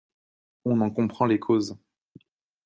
On en comprend les causes.